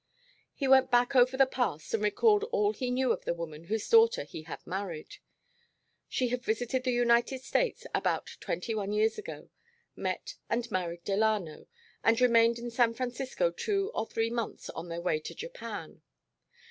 He went back over the past and recalled all he knew of the woman whose daughter he had married. She had visited the United States about twenty one years ago, met and married Delano, and remained in San Francisco two or three months on their way to Japan.